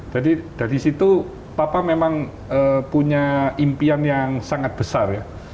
dari situ papa memang punya impian yang sangat besar ya